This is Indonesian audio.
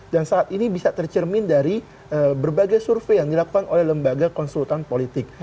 dan saat ini bisa tercermin dari berbagai survei yang dilakukan oleh lembaga konsultan politik